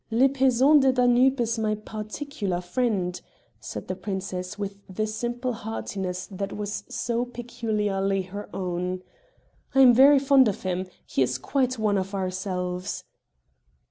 "Le Paysan du Danube is my particular friend," said the princess with the simple heartiness that was so peculiarly her own. "I am very fond of him; he is quite one of ourselves."